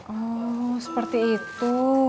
oh seperti itu